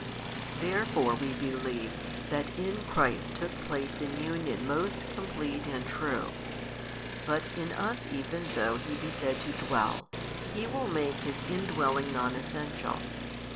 Therefore we believe that in Christ took place an union most complete and true: but in us even though He be said to dwell, He will make His Indwelling non essential 29.